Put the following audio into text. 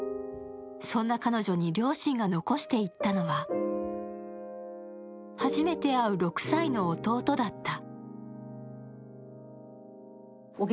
そんな彼女に両親が残していったのは初めて会う６歳の弟だった。